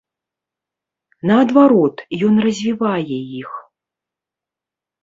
Наадварот, ён развівае іх.